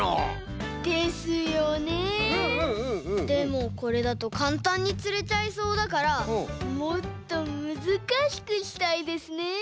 でもこれだとかんたんにつれちゃいそうだからもっとむずかしくしたいですね。